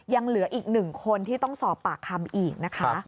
ยังเหลืออีกหนึ่งคนที่ต้องสอบปากคำอีกนะคะ